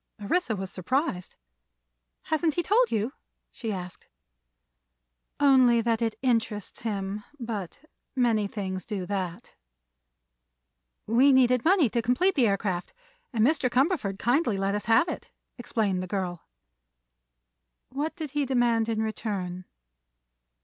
Orissa was surprised. "Hasn't he told you?" she asked. "Only that it 'interests him;' but many things do that." "We needed money to complete the aircraft, and Mr. Cumberford kindly let us have it," explained the girl. "What did he demand in return?"